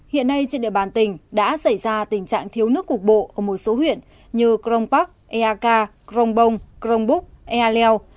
hiện nay trên địa bàn tỉnh đã xảy ra tình trạng thiếu nước cục bộ ở một số huyện như crong park eak crong bong crong buc eleo